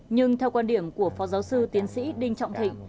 nhưng theo quan điểm của phó giáo sư tiến sĩ đinh trọng thịnh